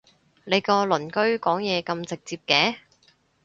你個鄰居講嘢咁直接嘅？